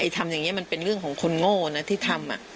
ทำอย่างนี้มันเป็นเรื่องของคนโง่นะที่ทำ